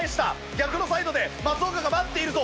逆のサイドで松岡が待っているぞ。